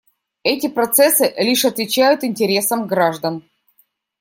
Эти процессы лишь отвечают интересам граждан.